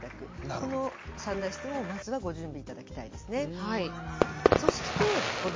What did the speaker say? この３大質問をまずはご準備頂きたいですね。